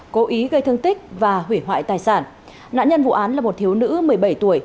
cố ý gây thương tích và hủy hoại tài sản nạn nhân vụ án là một thiếu nữ một mươi bảy tuổi